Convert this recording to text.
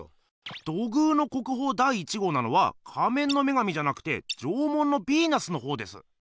土偶の国宝第１号なのは「仮面の女神」じゃなくて「縄文のビーナス」のほうです。